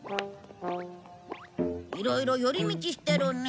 いろいろ寄り道してるね。